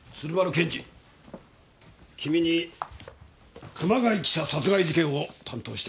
検事君に熊谷記者殺害事件を担当してもらいたい。